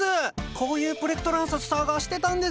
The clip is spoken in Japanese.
こういうプレクトランサス探してたんです。